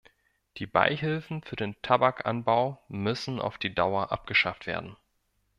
Die Beihilfen für den Tabakanbau müssen auf die Dauer abgeschafft werden.